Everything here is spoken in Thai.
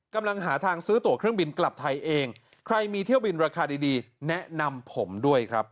กำลังหาทางซื้อตัวเครื่องบินกลับไทยเองใครมีเที่ยวบินราคาดีดีแนะนำผมด้วยครับ